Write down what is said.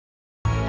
ibu yang menjaga saya